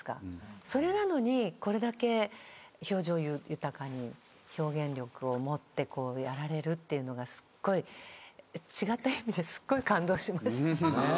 それなのにこれだけ表情豊かに表現力を持ってやられるっていうのが違った意味ですっごい感動しました。